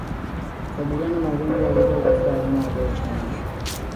Kukabiliana na ugonjwa wa bonde la ufa wanyama wapewe chanjo